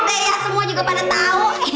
iya semua juga pada tahu